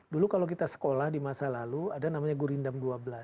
dulu kalau kita sekolah di masa lalu ada namanya gurindam dua belas